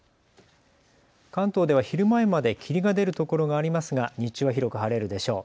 関東では昼前まで霧が出るところがありますが日中は広く晴れるでしょう。